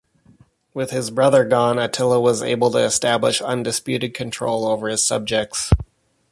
With his brother gone, Attila was able to establish undisputed control over his subjects.